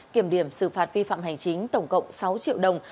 kiểm điểm xử phạt vi phạm hành chính tổng cộng sáu triệu đồng